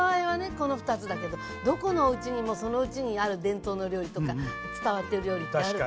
この２つだけどどこのおうちにもそのうちにある伝統の料理とか伝わってる料理ってあると思うのよね。